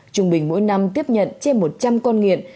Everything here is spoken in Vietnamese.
trung bình mỗi năm tiếp nhận trên một trăm linh con nghiện